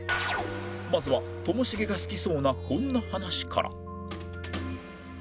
まずはともしげが好きそうなこんな話から